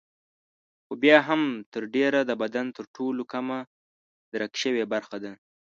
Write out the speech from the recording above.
خو بیا هم تر ډېره د بدن تر ټولو کمه درک شوې برخه ده.